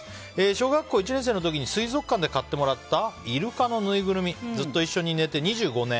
小学校１年生の時に水族館で買ってもらったイルカのぬいぐるみずっと一緒に寝て２５年。